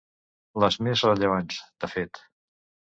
Les més rellevants, de fet.